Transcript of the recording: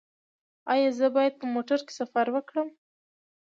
ایا زه باید په موټر کې سفر وکړم؟